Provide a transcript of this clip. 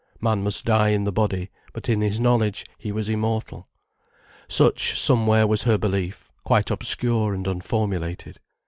Man must die in the body, but in his knowledge he was immortal. Such, somewhere, was her belief, quite obscure and unformulated.